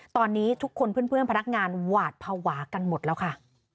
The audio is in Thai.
ตอนนี้ทุกคนเพื่อนพนักงานหวาดภาวะกันหมดแล้วค่ะ